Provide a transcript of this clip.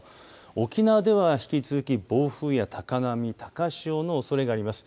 沖縄では引き続き、暴風や高波高潮のおそれがあります。